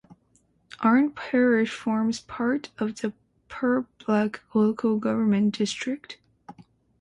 Arne parish forms part of the Purbeck local government district.